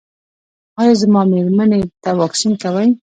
ایا زما میرمنې ته واکسین کوئ؟